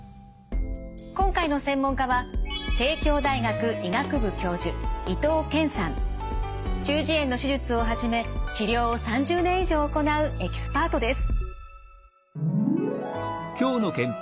今回の専門家は中耳炎の手術をはじめ治療を３０年以上行うエキスパートです。